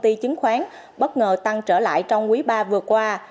các công ty chứng khoán bất ngờ tăng trở lại trong quý iii vừa qua